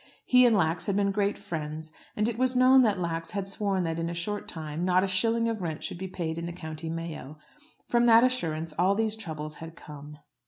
He and Lax had been great friends, and it was known that Lax had sworn that in a short time not a shilling of rent should be paid in the County Mayo. From that assurance all these troubles had come.